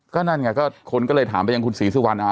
ก็นั่นไงคนก็เลยถามไปอย่างคุณศรีศุวรรณอ่ะ